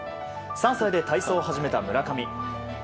３歳で体操を始めた村上。